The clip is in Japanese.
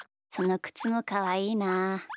そのくつもかわいいな。